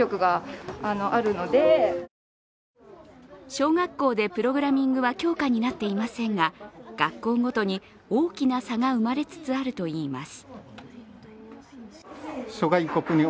小学校でプログラミングは教科になっていませんが学校ごとに大きな差が生まれつつあるといいます。